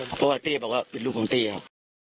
เพราะว่าเต้บอกว่าเป็นลูกของเต้ครับ